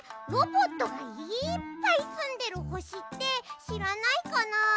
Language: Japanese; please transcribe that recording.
ロボットがいっぱいすんでるほしってしらないかな？